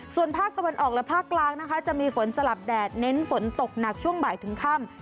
ส่วนภาคตะวันออกและภาคกลางนะคะจะมีฝนสลับแดดเน้นฝนตกหนักช่วงบ่ายถึงค่ำ